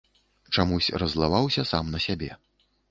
Чамусь раззлаваўся сам на сябе.